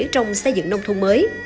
trong xây dựng nông thuân mới